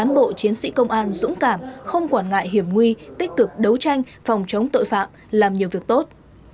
cán bộ chiến sĩ công an dũng cảm không quản ngại hiểm nguy tích cực đấu tranh phòng chống tội phạm làm nhiều việc tốt